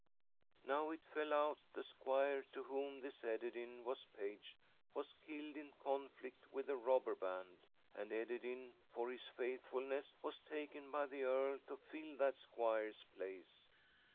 "Now it fell out the squire to whom this Ederyn was page was killed in conflict with a robber band, and Ederyn, for his faithfulness, was taken by the earl to fill that squire's place.